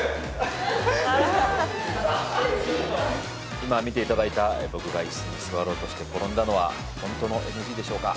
今見ていただいた僕がイスに座ろうとして転んだのはホントのＮＧでしょうか？